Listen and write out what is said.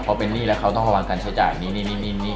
พ่อเป็นนี่แล้วเขาต้องระวังกันตัวจ่ายนี่